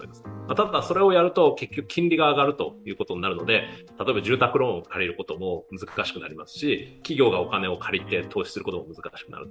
ただ、それをやると結局金利が上がるということになるので例えば住宅ローンを借りることも難しくなりますし企業がお金を借りて投資することも難しくなる。